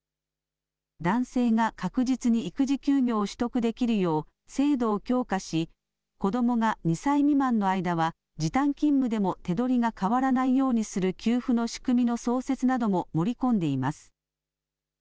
男性が確実に育児休業を取得できるよう制度を強化し、子どもが２歳未満の間は時短勤務でも手取りが変わらないようにする給付の仕組みの創設なども盛り込んでいます。